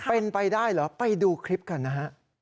เป็นไปได้เหรอไปดูคลิปกันนะฮะ